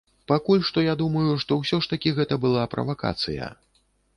Пакуль што я думаю, што ўсё ж такі гэта была правакацыя.